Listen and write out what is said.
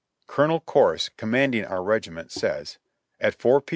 Colonel Corse, commanding our regiment, says : "At 4 P.